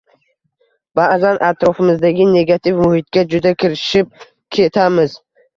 Ba’zan atrofimizdagi negativ muhitga juda kirishib ketamiz